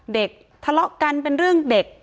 เด็กทะเลาะกันเป็นเรื่องเด็ก